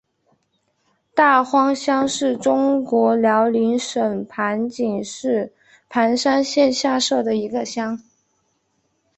大荒乡是中国辽宁省盘锦市盘山县下辖的一个乡。